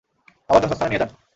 আবার যথাস্থানে নিয়ে যান!